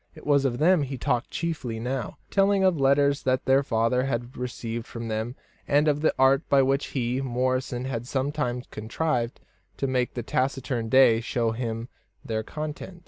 It was of them he talked chiefly now, telling of letters that their father had received from them, and of the art by which he, Morrison, had sometimes contrived to make the taciturn Day show him their contents.